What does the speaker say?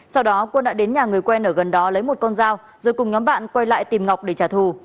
sau đó quân đã đến nhà người quen ở gần đó lấy một con dao rồi cùng nhóm bạn quay lại tìm ngọc để trả thù